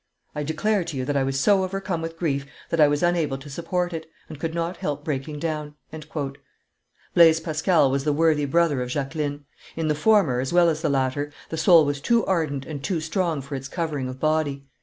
I declare to you that I was so overcome with grief that I was unable to support it, and could not help breaking down.'" Blaise Pascal was the worthy brother of Jacqueline; in the former, as well as the latter, the soul was too ardent and too strong for its covering of body.